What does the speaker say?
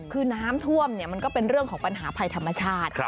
คือน้ำท่วมมันก็เป็นเรื่องของปัญหาภัยธรรมชาติ